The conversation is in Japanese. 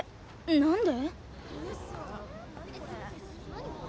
何で？